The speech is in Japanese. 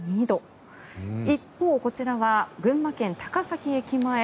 一方、こちらは群馬県・高崎駅前。